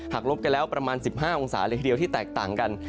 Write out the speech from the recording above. ลบกันแล้วประมาณ๑๕องศาเลยทีเดียวที่แตกต่างกัน